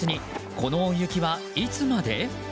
この大雪はいつまで？